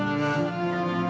saya juga berat bu